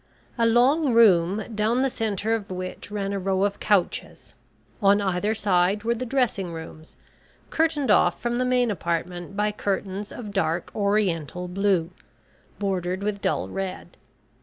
A long room, down the centre of which ran a row of couches; on either side were the dressing rooms, curtained off from the main apartment by curtains of dark Oriental blue, bordered with dull red.